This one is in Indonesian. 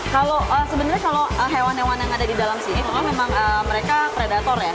kalau sebenarnya kalau hewan hewan yang ada di dalam sini itu kan memang mereka predator ya